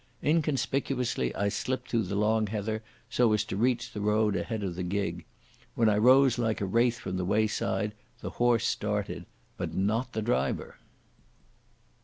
Inconspicuously I slipped through the long heather so as to reach the road ahead of the gig. When I rose like a wraith from the wayside the horse started, but not the driver.